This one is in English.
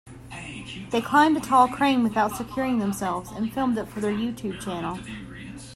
They climbed a tall crane without securing themselves and filmed it for their YouTube channel.